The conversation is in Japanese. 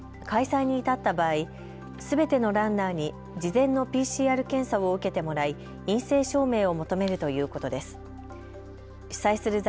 開催に至った場合、すべてのランナーに事前のＰＣＲ検査を受けてもらい陰性証明を求めるということです。